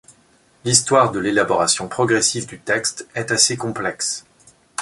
L’histoire de l’élaboration progressive du texte est assez complexe.